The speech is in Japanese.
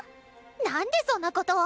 なんでそんなことを！